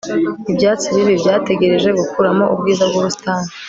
ibyatsi bibi byategereje gukuramo ubwiza bwubusitani